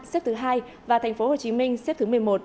xếp thứ hai và thành phố hồ chí minh xếp thứ một mươi một